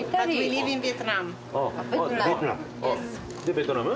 ベトナム？